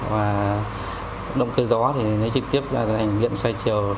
và động cơ gió thì nấy trực tiếp ra thành điện xoay chiều